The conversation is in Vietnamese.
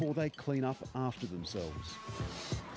trong giờ nghỉ trưa